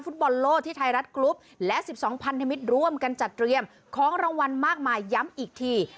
ฟุตบอลโลกที่ไทยรัฐกรุ๊ปและ๑๒พันธมิตรร่วมกันจัดเตรียมของรางวัลมากมายย้ำอีกที